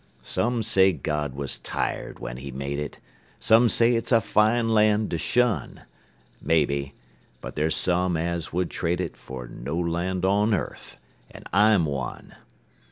Some say God was tired when He made it; Some say it's a fine land to shun; Maybe; but there's some as would trade it For no land on earth and I'm one.